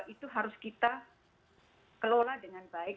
itu harus kita kelola dengan baik